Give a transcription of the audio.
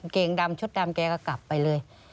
เกงดำชุดดำแกก็กลับไปเลย